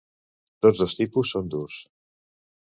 Tots dos tipus són durs.